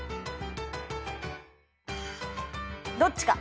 どっちか。